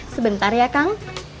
sebentar ya kang